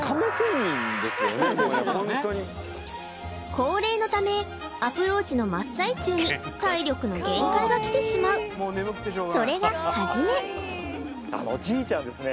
高齢のためアプローチの真っ最中に体力の限界がきてしまうそれがハジメおじいちゃんですね